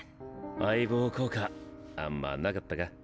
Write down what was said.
相棒効果あんまなかったか。